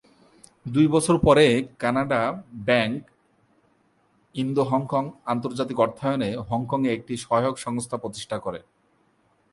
দুই বছর পরে কানাড়া ব্যাঙ্ক ইন্দো হংকং আন্তর্জাতিক অর্থায়নে হংকংয়ে একটি সহায়ক সংস্থা প্রতিষ্ঠা করে।